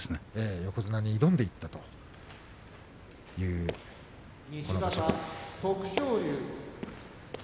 横綱に挑んでいったという場所です。